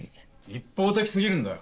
一方的過ぎるんだよ。